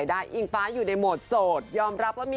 ออกงานอีเวนท์ครั้งแรกไปรับรางวัลเกี่ยวกับลูกทุ่ง